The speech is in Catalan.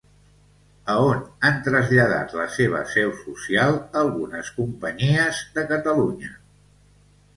A on han traslladat la seva seu social algunes companyies de Catalunya?